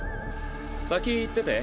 先行ってて。